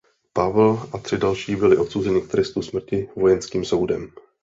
Powell a tři další byli odsouzeni k trestu smrti vojenským soudem.